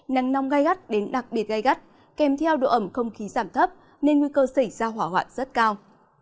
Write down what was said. nắng nóng gai gắt đến đặc biệt gai gắt kèm theo độ ẩm không khí giảm thấp nên nguy cơ xảy ra hỏa hoạn rất cao